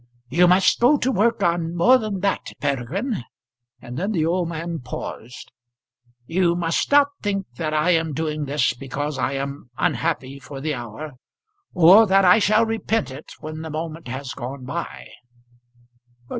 "You must go to work on more than that, Peregrine." And then the old man paused. "You must not think that I am doing this because I am unhappy for the hour, or that I shall repent it when the moment has gone by."